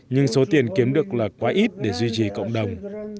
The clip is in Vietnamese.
nhưng số tiền kiếm được là quá ít để duy trì cộng đồng